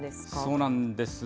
そうなんです。